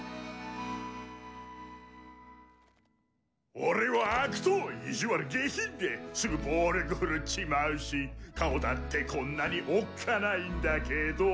「俺は悪党」「意地悪下品ですぐ暴力ふるっちまうし」「顔だってこんなにおっかないんだけど」